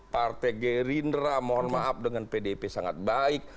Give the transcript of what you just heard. partai gerindra mohon maaf dengan pdip sangat baik